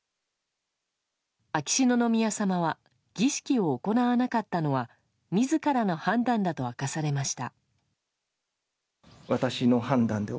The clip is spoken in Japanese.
秋篠宮さまは儀式を行わなかったのは自らの判断だと明かされました。